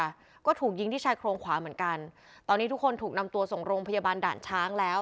ค่ะก็ถูกยิงที่ชายโครงขวาเหมือนกันตอนนี้ทุกคนถูกนำตัวส่งโรงพยาบาลด่านช้างแล้ว